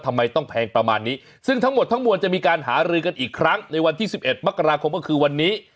ทำไมต้องแพงประมาณนี้ซึ่งทั้งหมดทั้งมวลจะมีการหารือกันอีกครั้งในวันที่๑๑มกราคมก็คือวันนี้